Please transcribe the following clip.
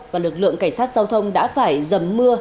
và lực lượng cảnh sát giao thông đã phải dầm mưa